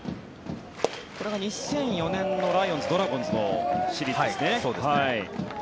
それが２００４年のライオンズ・ドラゴンズのシリーズですね。